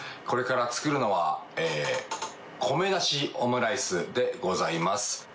これから作るのは、米なしオムライスでございます。